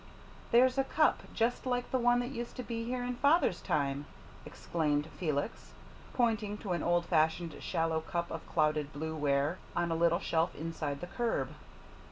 "There's a cup just like the one that used to be here in father's time," exclaimed Felix, pointing to an old fashioned shallow cup of clouded blue ware on a little shelf inside the curb.